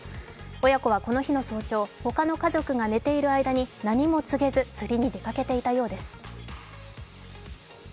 親子はこの日の早朝、他の家族が寝ている間に何も告げず釣りに出かけていたようです。